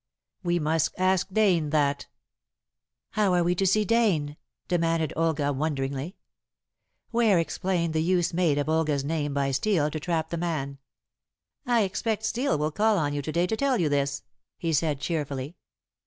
"We must ask Dane that." "How are we to see Dane?" demanded Olga wonderingly. Ware explained the use made of Olga's name by Steel to trap the man. "I expect Steel will call on you to day to tell you this," he said cheerfully.